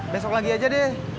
besok lagi aja deh